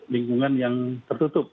lingkungan yang tertutup